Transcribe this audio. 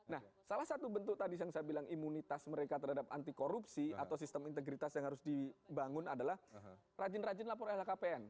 nah salah satu bentuk tadi yang saya bilang imunitas mereka terhadap anti korupsi atau sistem integritas yang harus dibangun adalah rajin rajin lapor lhkpn